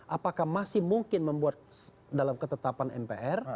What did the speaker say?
apakah masih mungkin membuat dalam ketetapan mpr